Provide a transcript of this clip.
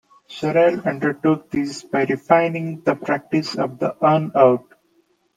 Sorrell undertook this by refining the practice of the 'earn-out'.